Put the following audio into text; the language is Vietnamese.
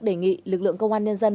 đề nghị lực lượng công an nhân dân